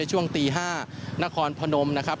ช่วงตี๕นครพนมนะครับ